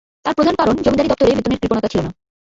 তার প্রধান কারণ জমিদারি দপ্তরে বেতনের কৃপণতা ছিল না।